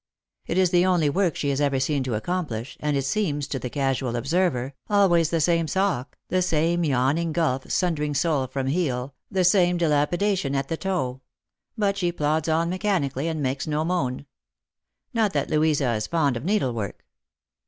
It is the only work she is ever seen to accomplish, and it seems, to the casual observer, always the same sock, the same yawning gulf sundering sole from heel, the same dilapidation at the toe ; but she plods on mechanically, and makes no moan. Not that Louisa is fond of needlework.